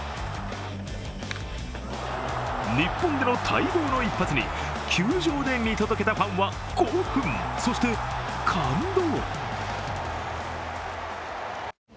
日本での待望の一発に球場で見届けたファンは興奮そして感動。